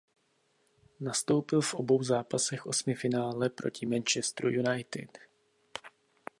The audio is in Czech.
Nastoupil v obou zápasech osmifinále proti Manchesteru United.